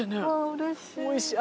うれしいわ！